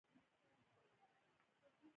افغانستان زما ویاړ دی